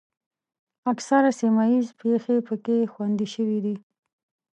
اکثره سیمه ییزې پېښې پکې خوندي شوې دي.